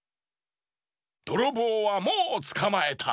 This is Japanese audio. どろぼうはもうつかまえた。